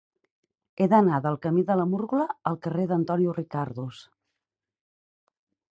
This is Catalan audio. He d'anar del camí de la Múrgola al carrer d'Antonio Ricardos.